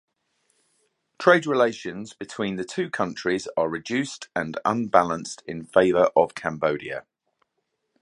Trade relations between the two countries are reduced and unbalanced in favor of Cambodia.